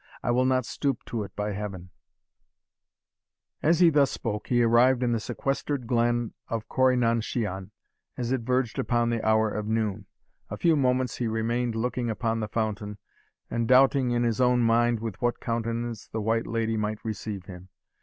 I will not stoop to it, by Heaven!" As he spoke thus, he arrived in the sequestered glen of Corri nan shian, as it verged upon the hour of noon. A few moments he remained looking upon the fountain, and doubting in his own mind with what countenance the White Lady might receive him.